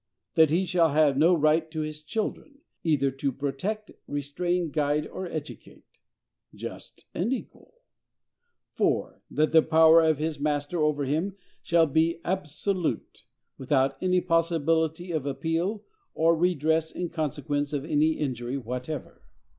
That he shall have no right to his children, either to protect, restrain, guide or educate.—Just and equal! 4. That the power of his master over him shall be ABSOLUTE, without any possibility of appeal or redress in consequence of any injury whatever.